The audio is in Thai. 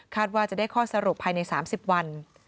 ว่าจะได้ข้อสรุปภายใน๓๐วัน